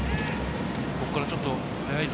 ここからちょっと早いぞ。